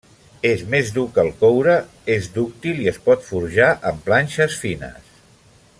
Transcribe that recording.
És més dur que el coure, és dúctil i es pot forjar en planxes fines.